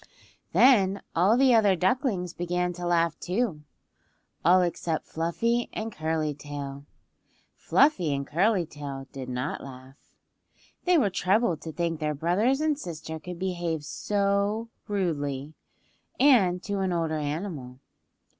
Then all the other ducklings began to laugh, too;—all except Fluffy and Curly Tail. Fluffy and Curly Tail did not laugh. They were troubled to think their brothers and sister could behave so rudely, and to an older animal.